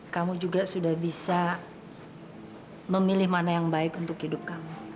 kamu juga sudah bisa memilih mana yang baik untuk hidup kamu